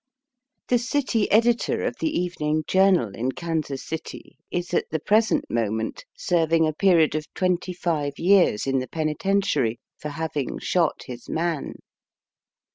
The city editor of the even ing journal in Kansas City is at the present moment serving a period of twenty five years in the penitentiary for having shot his man.